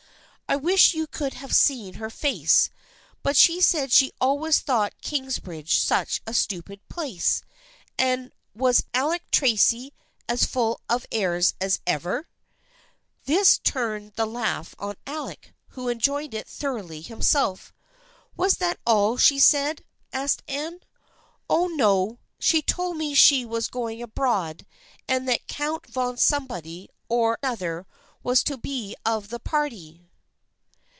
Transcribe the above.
I wish you could have seen her face, but she said she always thought Kings bridge such a stupid place, and was Alec Tracy as full of airs as ever ?" This turned the laugh on Alec, who enjoyed it thoroughly himself. " Was that all she said ?" asked Anne. " Oh, no, she told me she was going abroad and that Count von somebody or other was to be of the party."